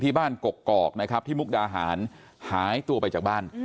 บ้านกกอกนะครับที่มุกดาหารหายตัวไปจากบ้าน